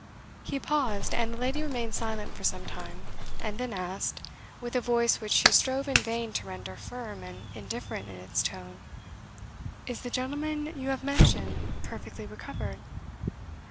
He paused, and the lady remained silent for some time, and then asked, with a voice which she strove in vain to render firm and indifferent in its tone, "Is the gentleman you have mentioned perfectly recovered?"